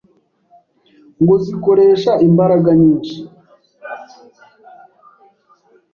ngo zikoresha imbaraga nyinshi